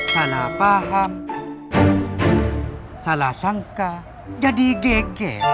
salah paham salah sangka jadi geger